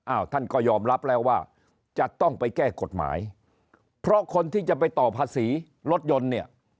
ท่านก็ยอมรับแล้วว่าจะต้องไปแก้กฎหมายเพราะคนที่จะไปต่อภาษีรถยนต์เนี่ย